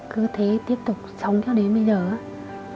cứ thế tiếp tục sống cho đến bây giờ ấy